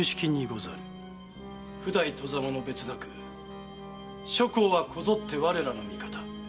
譜代・外様の別なく諸公はこぞって我らの味方。